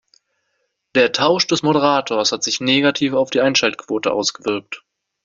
Der Tausch des Moderators hat sich negativ auf die Einschaltquote ausgewirkt.